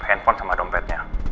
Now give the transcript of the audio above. handphone sama dompetnya